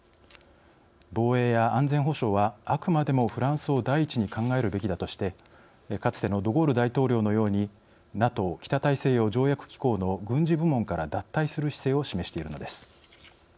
防衛や安全保障はあくまでもフランスを第一に考えるべきだとしてかつてのドゴール大統領のようにＮＡＴＯ＝北大西洋条約機構の軍事部門から脱退する姿勢を示しているのです。